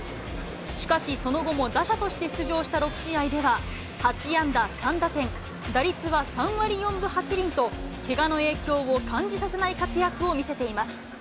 しかし、その後も打者として出場した６試合では、８安打３打点、打率は３割４分８厘と、けがの影響を感じさせない活躍を見せています。